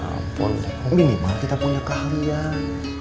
ampun minimal kita punya keahlian